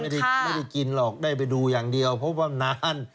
ไม่ได้กินหรอกได้ไปดูอย่างเดียวเพราะว่านาน